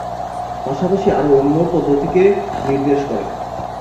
পাশাপাশি আরো অন্য পদ্ধতিকে নির্দেশ করে।